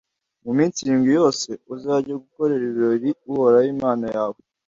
mu minsi irindwi yose, uzajye gukorera ibirori uhoraho imana yawe,